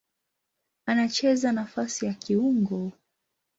Anacheza nafasi ya kiungo.